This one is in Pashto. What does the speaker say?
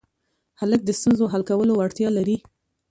هلک د ستونزو حل کولو وړتیا لري.